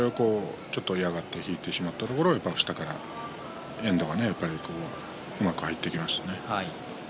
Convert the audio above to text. そこを引いてしまったところで下から遠藤がうまく入っていきましたね。